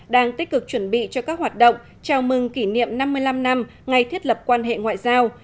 đang tích cực chuẩn bị cho các hoạt động chào mừng kỷ niệm năm mươi năm năm ngày thiết lập quan hệ ngoại giao